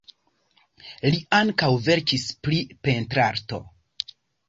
Li ankaŭ verkis pri pentrarto.